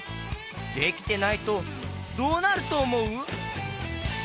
できてないとどうなるとおもう？